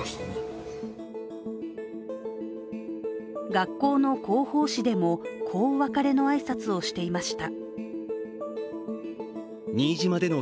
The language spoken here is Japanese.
学校の広報誌でもこう、別れの挨拶をしていました。